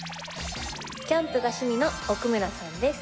キャンプが趣味の奥村さんです。